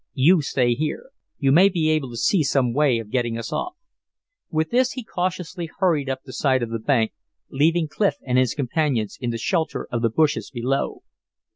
"You stay here. You may be able to see some way of getting us off." With this he cautiously hurried up the side of the bank, leaving Clif and his companions in the shelter of the bushes below.